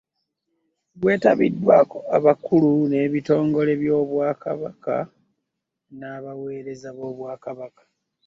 Gwetabiddwako abakulu n'ebitongole by'obwakabaka n'abaweereza n'obwakabaka